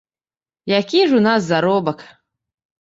Які ж у нас заробак?